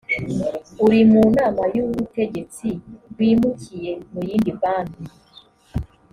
uri mu nama y ubutegetsi wimukiye mu yindi banki